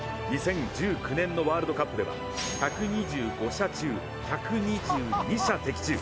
２０１９年のワールドカップでは１２５射中、１２２射的中。